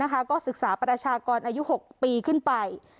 ก็ศึกษาประชากรอายุ๖ปีขึ้นไป